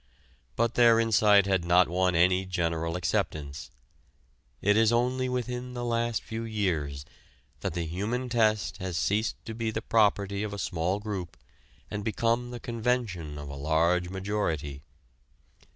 But their insight had not won any general acceptance. It is only within the last few years that the human test has ceased to be the property of a small group and become the convention of a large majority.